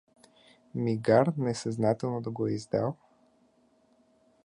Мигар несъзнателно да го е издал?